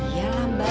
iya lah mbak